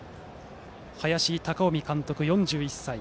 林孝臣監督、４１歳。